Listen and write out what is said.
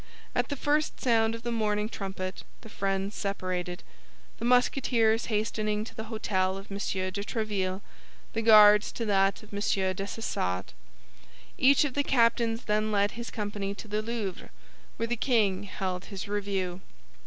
At the first sound of the morning trumpet the friends separated; the Musketeers hastening to the hôtel of M. de Tréville, the Guards to that of M. Dessessart. Each of the captains then led his company to the Louvre, where the king held his review.